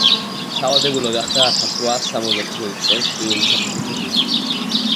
სავალდებულო გახდა ათს რვაას სამოცდა თხუთმეტი წელს პირველი საფეხბურთო გუნდი.